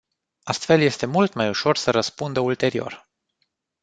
Astfel este mult mai ușor să răspundă ulterior.